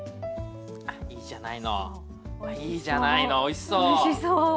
あいいじゃないのいいじゃないのおいしそう。